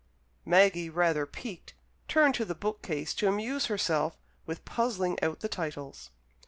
Maggie, rather piqued, turned to the book cases to amuse herself with puzzling out the titles.